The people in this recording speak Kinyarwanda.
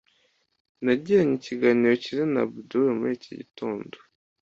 Nagiranye ikiganiro cyiza na Abdul muri iki gitondo.